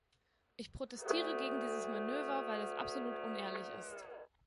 Ich protestiere gegen dieses Manöver, weil es absolut unehrlich ist.